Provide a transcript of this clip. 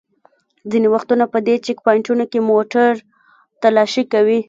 ځینې وختونه په دې چېک پواینټونو کې موټر تالاشي کوي.